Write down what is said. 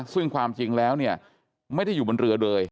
ซึ่งความจริงแล้วเนี่ยไม่ได้อยู่บนเรือเลย